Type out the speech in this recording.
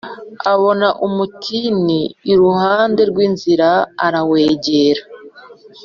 Abona umutini iruhande rw inzira arawegera